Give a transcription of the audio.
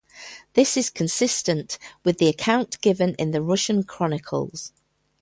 This is consistent with the account given in the Russian Chronicles.